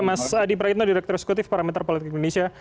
mas adi praitno direktur eksekutif parameter politik indonesia